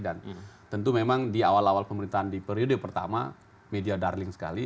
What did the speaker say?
dan tentu memang di awal awal pemerintahan di periode pertama media darling sekali